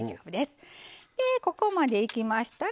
ここまでいきましたら